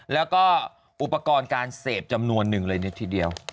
แล้วก็อุปกรณ์การเสพจำนวนหนึ่งเลยทีเดียว